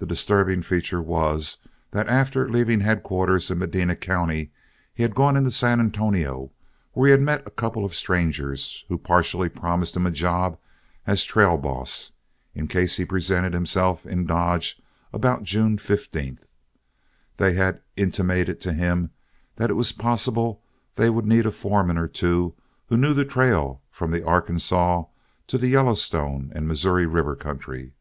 The disturbing feature was, that after leaving headquarters in Medina County, he had gone into San Antonio, where he met a couple of strangers who partially promised him a job as trail boss, in case he presented himself in Dodge about June 15. They had intimated to him that it was possible they would need a foreman or two who knew the trail from the Arkansaw to the Yellowstone and Missouri River country.